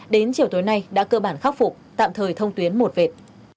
đến chiều tối nay đã cơ bản khắc phục tạm thời thông tuyến một vệt